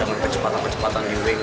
dengan kecepatan kecepatan di ring